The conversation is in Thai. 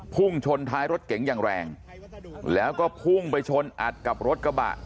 พุ่งชนท้ายรถเก๋งอย่างแรงแล้วก็พุ่งไปชนอัดกับรถกระบะ